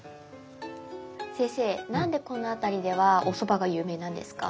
先生何でこの辺りではおそばが有名なんですか？